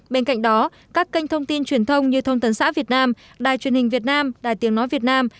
bên cạnh đó các kênh thông tin truyền thông như thông tấn xã việt nam đài truyền hình việt nam đài tiếng nói việt nam